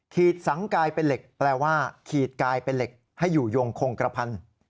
สังกายเป็นเหล็กแปลว่าขีดกลายเป็นเหล็กให้อยู่ยงคงกระพัน